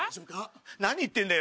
何言ってんだよ